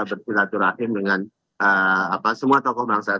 berpilatu rahim dengan semua tokoh bangsa